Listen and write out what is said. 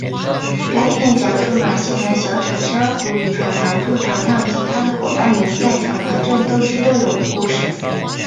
该片讲述马戏团小丑珊瑚与闯堂兔堂堂及他的伙伴们在闯堂镇斗智斗勇的故事。